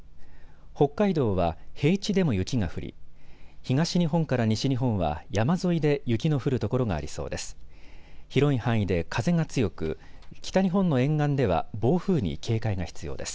北海道は平地でも雪が降り東日本から西日本は山沿いで雪の降る所がありそうです。